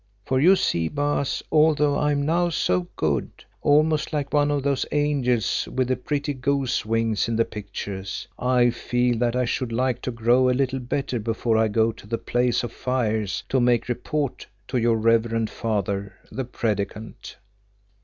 For you see, Baas, although I am now so good, almost like one of those angels with the pretty goose's wings in the pictures, I feel that I should like to grow a little better before I go to the Place of Fires to make report to your reverend father, the Predikant."